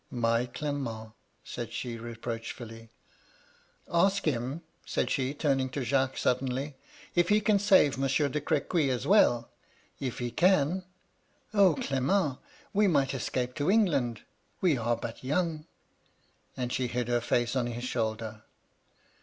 My Clement !' said she, reproachfully. ^'* Ask him,' said she, turning to Jacques, suddenly, * if he can save Monaeur de Cr^iuy as well, — ^if he can ?— O Clement, we might escape to England ; we are but young.' And she hid her bee on his shoulder.